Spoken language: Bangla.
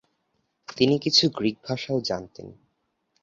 তিনি কিছু গ্রিক ভাষাও জানতেন।